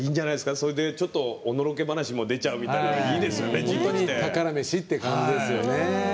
それで、ちょっとおのろけ話も出ちゃうみたいな宝メシって感じですよね。